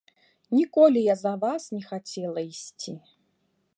Ніколі я за вас не хацела ісці.